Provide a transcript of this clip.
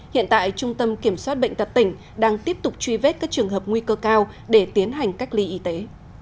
hiện tại trung tâm kiểm soát bệnh tật tỉnh đang tiếp tục truy vết các trường hợp nguy cơ cao để tiến hành cách ly y tế